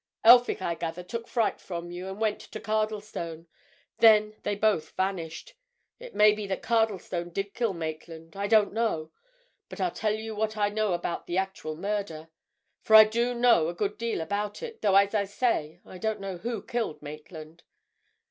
Elphick, I gather, took fright from you, and went to Cardlestone—then they both vanished. It may be that Cardlestone did kill Maitland—I don't know. But I'll tell you what I know about the actual murder—for I do know a good deal about it, though, as I say, I don't know who killed Maitland.